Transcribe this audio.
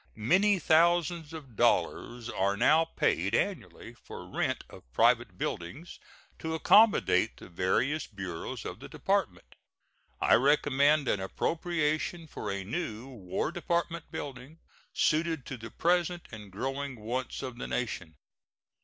Many thousands of dollars are now paid annually for rent of private buildings to accommodate the various bureaus of the Department. I recommend an appropriation for a new War Department building, suited to the present and growing wants of the nation.